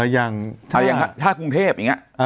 อย่างถ้ากรุงเทพอย่างนี้